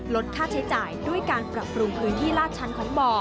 ลดค่าใช้จ่ายด้วยการปรับปรุงพื้นที่ลาดชั้นของบ่อ